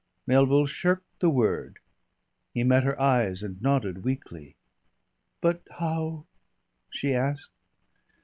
Melville shirked the word. He met her eyes and nodded weakly. "But how ?" she asked.